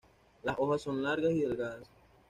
Las hojas son largas y delgadas.